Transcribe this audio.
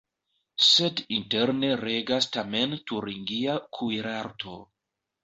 Sed interne regas tamen turingia kuirarto.